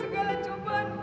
yang benar itu benar